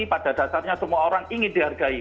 pada dasarnya semua orang ingin dihargai